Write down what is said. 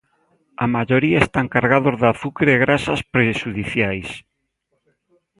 A maioría están cargados de azucre e graxas prexudiciais.